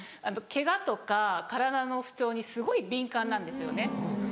ケガとか体の不調にすごい敏感なんですよね。